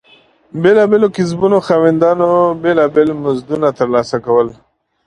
بېلابېلو کسبونو خاوندانو بېلابېل مزدونه ترلاسه کول.